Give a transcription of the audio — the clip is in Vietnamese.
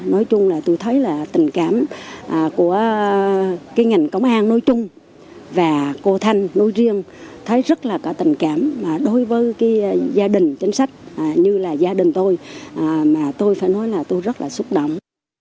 nói chung là tôi thấy là tình cảm của cái ngành công an nói chung và cô thanh nói riêng thấy rất là cả tình cảm đối với cái gia đình chính sách như là gia đình tôi mà tôi phải nói là tôi rất là xúc động